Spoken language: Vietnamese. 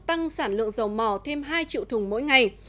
tăng sản lượng dầu mỏ thêm hai triệu thùng mỗi ngày